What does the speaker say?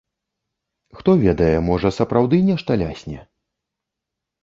Хто ведае, можа сапраўды нешта лясне?